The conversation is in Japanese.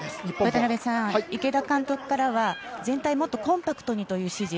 渡辺さん、池田監督からは全体をもっとコンパクトにという指示。